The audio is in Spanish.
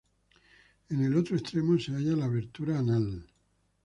En el otro extremo se halla la abertura anal.